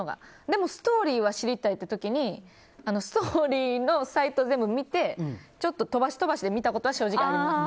でもストーリーは知りたいって時ストーリーのサイトを全部見てちょっと飛ばし飛ばしで見たことは正直あります。